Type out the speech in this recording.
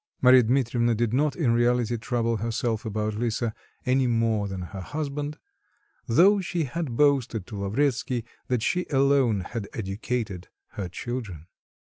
Marya Dmitrievna did not in reality trouble herself about Lisa any more than her husband, though she had boasted to Lavretsky that she alone had educated her children.